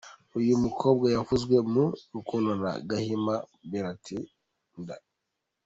Uyu mukobwa yavuzwe mu rukundo na Gahima biratinda.